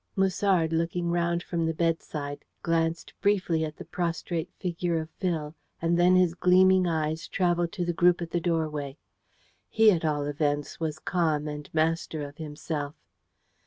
Musard, looking round from the bedside, glanced briefly at the prostrate figure of Phil, and then his gleaming eyes travelled to the group at the doorway. He, at all events, was calm, and master of himself.